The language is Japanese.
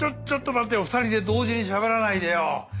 ちょっと待ってよ２人で同時にしゃべらないでよ。